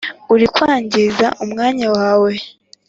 Urikwangza umwanya wawe